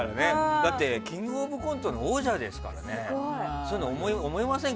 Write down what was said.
だって、「キングオブコント」の王者ですからそういうの思いませんか。